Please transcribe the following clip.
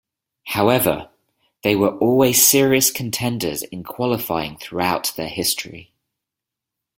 However, they were always serious contenders in qualifying throughout their history.